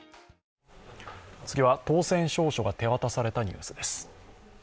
次は、当選証書が手渡されたニュースです。